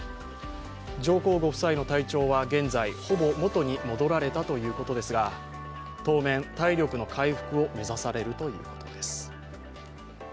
上皇ご夫妻の体調は現在ほぼ元に戻られたということですが、当面、体力の回復を目指されるということです。